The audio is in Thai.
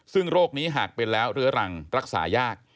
ซึ่งโรคนี้หากเป็นแล้วเรื้อรังรักษายาก